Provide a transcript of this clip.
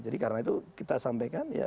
jadi karena itu kita sampaikan